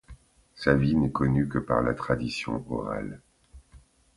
Sa vie n'est connue que par la tradition orale.